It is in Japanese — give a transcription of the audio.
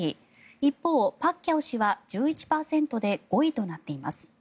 一方、パッキャオ氏は１１％で５位となっています。